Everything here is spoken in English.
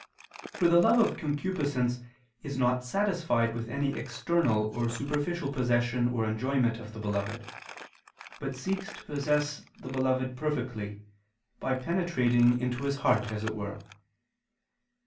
For the love of concupiscence is not satisfied with any external or superficial possession or enjoyment of the beloved; but seeks to possess the beloved perfectly, by penetrating into his heart, as it were.